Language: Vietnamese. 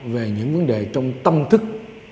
về những vấn đề trong tâm thức